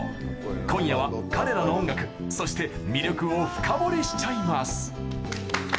今夜は彼らの音楽、そして魅力を深掘りしちゃいます。